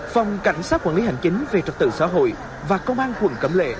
phòng cảnh sát quản lý hành chính về trật tự xã hội và công an quận cẩm lệ